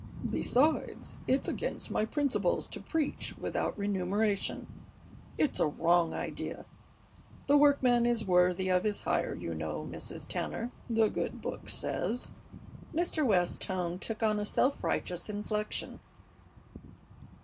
Besides, it's against my principles to preach without remuneration. It's a wrong idea. The workman is worthy of his hire, you know, Mrs. Tanner, the Good Book says." Mr. West's tone took on a self righteous inflection.